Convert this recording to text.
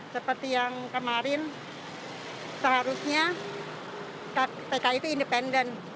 seperti yang kemarin seharusnya kpk itu independen